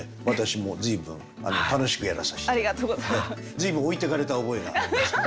随分置いてかれた覚えがありますね。